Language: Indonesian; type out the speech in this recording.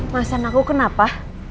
mas anakku kenapa